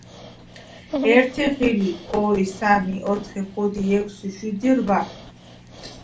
ერთი ღილი, ორი, სამი, ოთხი, ხუთი, ექვსი, შვიდი და რვა.